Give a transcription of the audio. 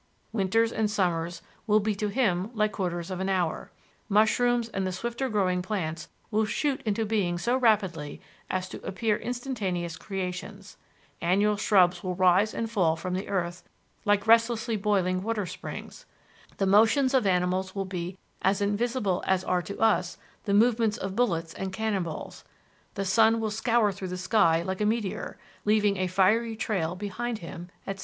Winters and summers will be to him like quarters of an hour. Mushrooms and the swifter growing plants will shoot into being so rapidly as to appear instantaneous creations; annual shrubs will rise and fall from the earth like restlessly boiling water springs; the motions of animals will be as invisible as are to us the movements of bullets and cannonballs; the sun will scour through the sky like a meteor, leaving a fiery trail behind him, etc."